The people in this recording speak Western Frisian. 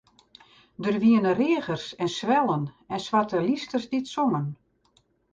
Der wiene reagers en swellen en swarte lysters dy't songen.